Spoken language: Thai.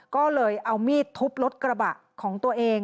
ก็เลยเอามีดทุบรถกระบะของตัวเอง